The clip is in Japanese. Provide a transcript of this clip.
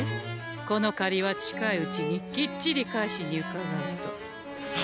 この借りは近いうちにきっちり返しにうかがうと。